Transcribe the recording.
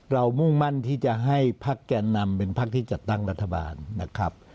เรามุ่งมั่นที่จะให้ภาคแกนนำเป็นภาคที่จะตั้งรัฐบาลนะครับ